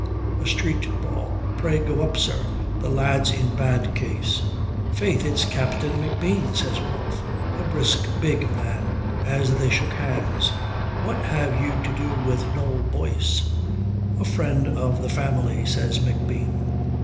A street brawl. Pray go up, sir, the lad's in bad case." "Faith, it's Captain McBean," says Rolfe, a brisk, big man, as they shook hands. "What have you to do with Noll Boyce?" "A friend of the family," says McBean.